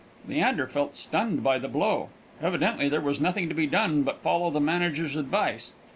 Leander felt stunned by the blow; evidently there was nothing to be done but follow the manager's advice.